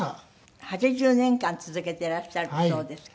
８０年間続けていらっしゃるそうですが。